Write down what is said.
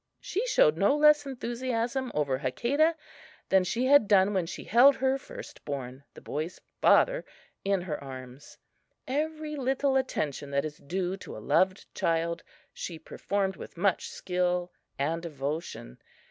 She showed no less enthusiasm over Hakadah than she had done when she held her first born, the boy's father, in her arms. Every little attention that is due to a loved child she performed with much skill and devotion.